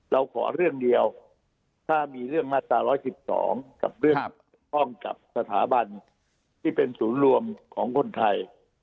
เราขอเรื่องเดียวถ้ามีเรื่องมาตรา๑๑๒กับเรื่องข้องกับสถาบันที่เป็นศูนย์รวมของคนไทย